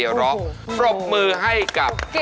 ที่หลวงประดิษฐ์ไพร้อบมือให้กับโอ้โฮ